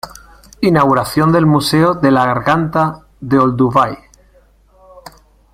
Inauguración del Museo de la Garganta de Olduvai.